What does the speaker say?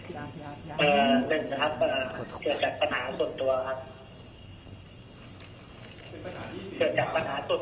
มันมันเป็นอย่างเป็นแล้วครับเฉพาะมีคำถามส่วนตัวครับ